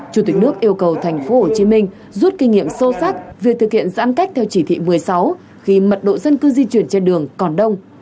chủ tịch nước yêu cầu thành phố hồ chí minh rút kinh nghiệm sâu sắc về thực hiện giãn cách theo chỉ thị một mươi sáu khi mật độ dân cư di chuyển trên đường còn đông